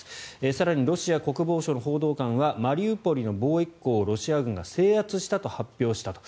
更にロシア国防省の報道官はマリウポリの貿易港をロシア軍が制圧したと発表したと。